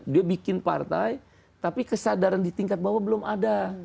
dia bikin partai tapi kesadaran di tingkat bawah belum ada